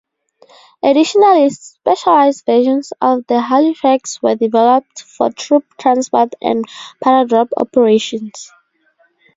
Additionally, specialised versions of the Halifax were developed for troop-transport and paradrop operations.